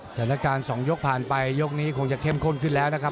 สถานการณ์๒ยกผ่านไปยกนี้คงจะเข้มข้นขึ้นแล้วนะครับ